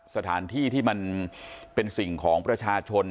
สถานที่ที่มันเป็นสิ่งของประชาชน